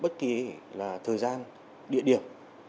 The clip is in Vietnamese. thời gian địa điểm